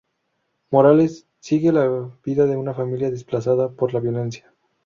Morales, sigue la vida de una familia desplazada por la violencia.